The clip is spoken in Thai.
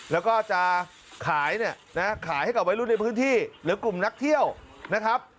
แล้วก็จะขายขายให้กลับไว้รู้ในพื้นที่หรือกลุ่มนักเที่ยวนะครับ